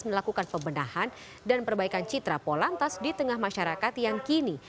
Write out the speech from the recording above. melakukan pembenahan dan perbaikan citra polantas di tengah masyarakat yang kini